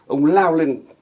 ông lao lên